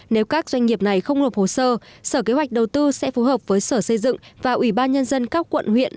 nếu các doanh nghiệp này không nộp hồ sơ sở kế hoạch đầu tư sẽ phù hợp với sở xây dựng và ủy ban nhân dân các quận huyện